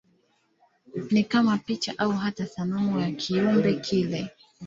Ni kama picha au hata sanamu ya kiumbe kile.